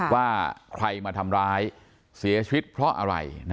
ว่าใครมาทำร้ายเสียชีวิตเพราะอะไร